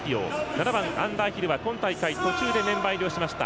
７番、アンダーヒルは今大会途中でメンバー入りしました。